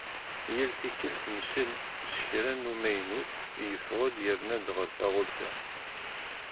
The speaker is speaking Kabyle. Yal tikkelt nsel s kra n umaynut yeffeɣ-d yerna-d ɣer taɣult-a.